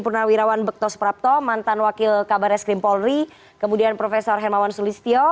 purnawirawan bektos prapto mantan wakil kabar es krim polri kemudian profesor hermawan sulistyo